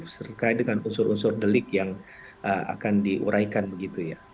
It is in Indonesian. terkait dengan unsur unsur delik yang akan diuraikan begitu ya